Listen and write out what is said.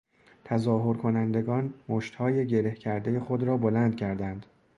تظاهر کنندگان مشتهای گره کردهی خود را بلند کردند.